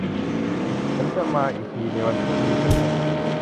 ฉันจะมาอีกทีในวันพรุ่งนี้เพื่อเงิน